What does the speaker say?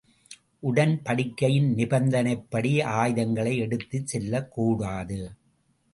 உடன்படிக்கையின் நிபந்தனைப்படி ஆயுதங்களை எடுத்துச் செல்லக் கூடாது.